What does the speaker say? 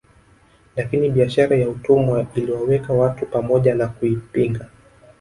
Lakini biashara ya utumwa iliwaweka watu pamoja na kuipinga